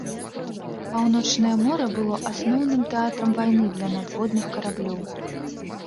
Паўночнае мора было асноўным тэатрам вайны для надводных караблёў.